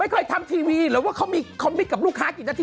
เคยทำทีวีหรือว่าเขามีคอมมิตกับลูกค้ากี่นาที